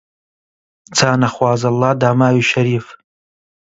جا نەخوازەڵا داماوی شەریف